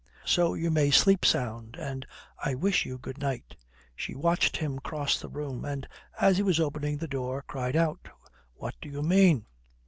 So you may sleep sound, and I wish you good night." She watched him cross the room, and, as he was opening the door, cried out, "What do you mean?"